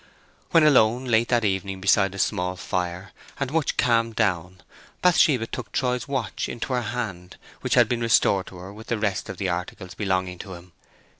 When alone late that evening beside a small fire, and much calmed down, Bathsheba took Troy's watch into her hand, which had been restored to her with the rest of the articles belonging to him.